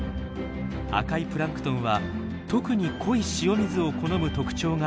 赤いプランクトンは特に濃い塩水を好む特徴があるんです。